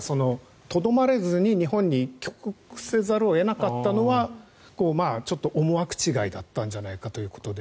とどまれずに日本に帰国せざるを得なかったのはちょっと思惑違いだったんじゃないかということで。